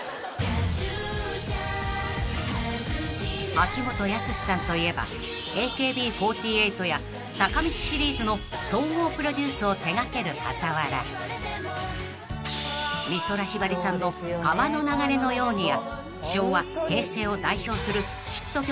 ［秋元康さんといえばＡＫＢ４８や坂道シリーズの総合プロデュースを手掛ける傍ら美空ひばりさんの『川の流れのように』や］